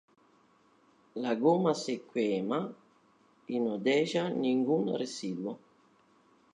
La goma se quema, y no deja ningún residuo.